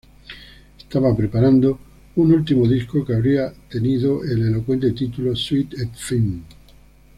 Estaba preparando un último disco que habría tenido el elocuente título ""Suite et Fin"".